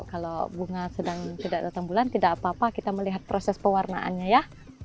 kalau bunga sedang tidak dalam bulan tidak apa apa kita melihat proses pewarnaannya ya